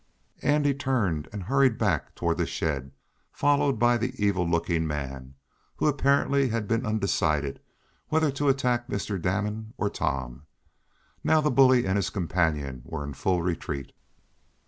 Andy turned and hurried back toward the shed, followed by the evil looking man, who had apparently been undecided whether to attack Mr. Damon or Tom. Now the bully and his companion were in full retreat.